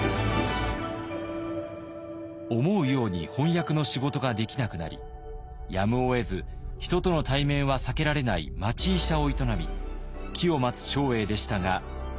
思うように翻訳の仕事ができなくなりやむをえず人との対面は避けられない町医者を営み機を待つ長英でしたが。